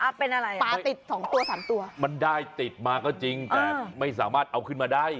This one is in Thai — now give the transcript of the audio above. เป็นอะไรปลาติดสองตัวสามตัวมันได้ติดมาก็จริงแต่ไม่สามารถเอาขึ้นมาได้